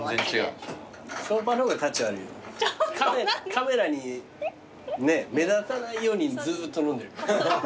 カメラに目立たないようにずっと飲んでる。